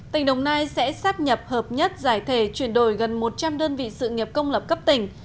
tỉnh đồng nai sẽ sắp nhập hợp nhất giải thể chuyển đổi gần một trăm linh đơn vị sự nghiệp công lập cấp tỉnh